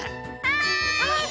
はい！